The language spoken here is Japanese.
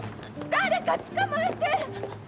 誰か捕まえて！